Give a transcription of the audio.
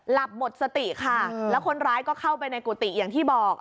หลับหมดสติค่ะแล้วคนร้ายก็เข้าไปในกุฏิอย่างที่บอก